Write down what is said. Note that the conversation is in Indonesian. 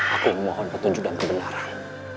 aku memohon petunjuk dan kebenaran